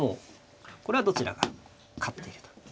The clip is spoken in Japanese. これはどちらが勝っていると。